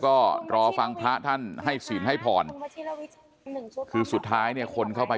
ก็รอฟังพระท่านให้ศีลให้พรคือสุดท้ายเนี่ยคนเข้าไป